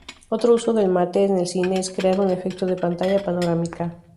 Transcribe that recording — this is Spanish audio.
Otro uso del mate en el cine es crear un efecto de pantalla panorámica.